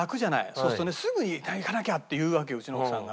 そうするとねすぐ「行かなきゃ」って言うわけようちの奥さんが。